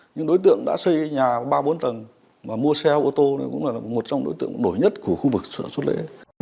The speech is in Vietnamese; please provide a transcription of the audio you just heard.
nhưng đối tượng đã xây nhà ba bốn tầng và mua xe ô tô cũng là một trong đối tượng nổi nhất của khu vực xuất lễ